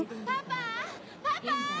パパ！